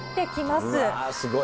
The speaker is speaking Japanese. すごい。